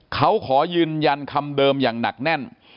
เขาขอยืนยันคำเดิมอย่างหนักแน่น